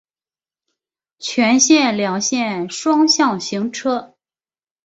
全线两线双向行车。